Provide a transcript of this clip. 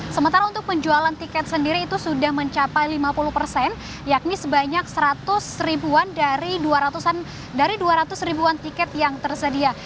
sementara untuk penjualan tiket sendiri itu sudah mencapai lima puluh persen yakni sebanyak seratus ribuan dari dua ratus ribuan tiket yang tersedia